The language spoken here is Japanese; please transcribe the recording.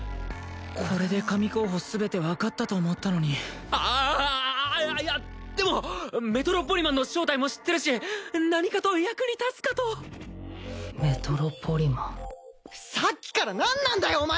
これで神候補全て分かったと思ったのにああいやでもメトロポリマンの正体も知ってるし何かと役に立つかとメトロポリマンさっきから何なんだよ